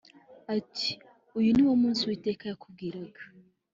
ati “Uyu ni wo munsi Uwiteka yakubwiraga “